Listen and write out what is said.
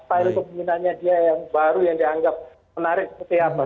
tentunya dia yang baru yang dianggap menarik seperti apa